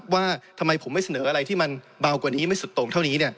ว่าทำไมผมไม่เสนออะไรที่มันเบากว่านี้ไม่สุดตรงเท่านี้